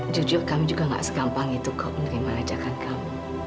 jujur kami juga gak segampang itu kau menerima ajakan kamu